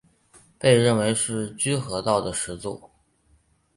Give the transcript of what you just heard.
被认为是居合道的始祖。